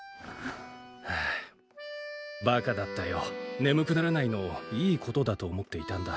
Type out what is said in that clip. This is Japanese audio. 眠くならないのをいいことだと思っていたんだ。